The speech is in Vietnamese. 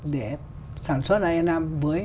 để sản xuất e năm với